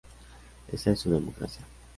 Esa es su democracia.